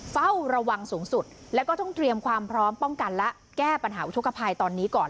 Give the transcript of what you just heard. เฝ้าระวังสูงสุดแล้วก็ต้องเตรียมความพร้อมป้องกันและแก้ปัญหาอุทธกภัยตอนนี้ก่อน